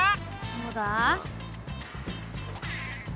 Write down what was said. どうだ？